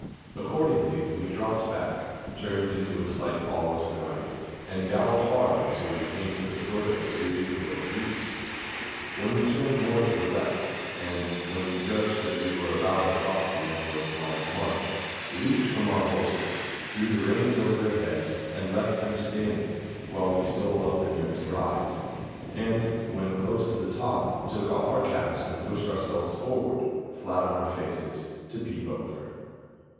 Accordingly, we dropped back, turned into a slight hollow to the right, and galloped hard until we came to the foot of a series of low buttes, when we turned more to the left; and, when we judged that we were about across the antelope's line of march, leaped from our horses, threw the reins over their heads, and left them standing, while we stole up the nearest rise; and, when close to the top, took off our caps and pushed ourselves forward, flat on our faces, to peep over.